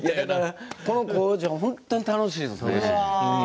この工場、本当に楽しいですね。